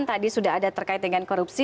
tadi sudah ada terkait dengan korupsi